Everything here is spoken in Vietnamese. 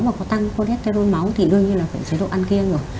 mà có tăng cholesterol máu thì đương nhiên là phải chế độ ăn kiêng rồi